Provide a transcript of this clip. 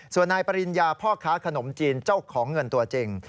ส่วนนายปริญญาพ่อค้าขนมจีนเจ้าของเงินตัวจริง